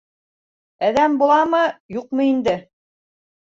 Әҙәм буламы, юҡмы инде.